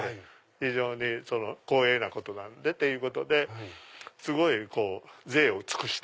非常に光栄なことっていうことですごいぜいを尽くして。